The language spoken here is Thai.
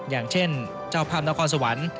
อย่างเช่นเจ้าภาพนครสวรรค์